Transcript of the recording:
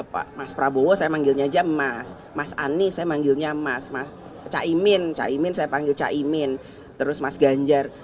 pak mas prabowo saya manggilnya aja mas mas anies saya manggilnya mas mas caimin caimin saya panggil caimin terus mas ganjar